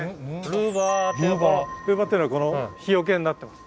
ルーバーっていうのは日よけになってます。